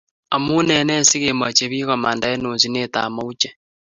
amunene sikemache pik komanda en oset ab mauche